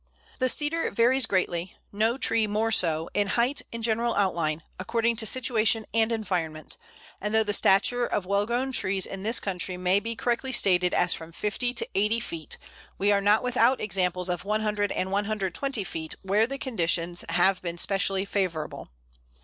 ] The Cedar varies greatly no tree more so in height and general outline, according to situation and environment, and though the stature of well grown trees in this country may be correctly stated as from 50 to 80 feet, we are not without examples of 100 and 120 feet where the conditions have been specially favourable.